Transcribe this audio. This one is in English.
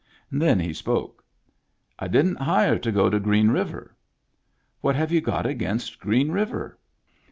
Then he spoke :—" I didn't hire to go to Green River." " What have you got against Green River